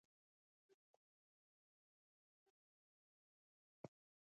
Naa: Zǝə a wu! Zǝə a waag ya ?